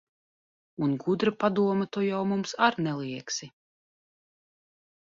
Un gudra padoma tu jau mums ar neliegsi.